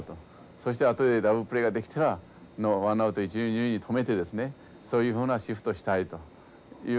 そして後でダブルプレーができたらワンアウト一塁二塁に止めてですねそういうふうなシフトしたいというふうにしたわけですね。